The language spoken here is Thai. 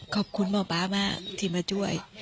ขอบคุณหมอป๊ามากที่มาช่วย